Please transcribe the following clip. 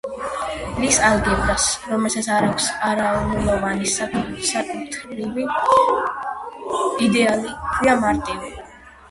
ლის ალგებრას, რომელსაც არ აქვს არანულოვანი საკუთრივი იდეალი ჰქვია მარტივი.